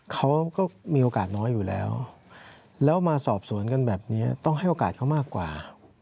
เขาก็มีโอกาสน้อยอยู่แล้วแล้วมาสอบสวนกันแบบนี้ต้องให้โอกาสเขามากกว่า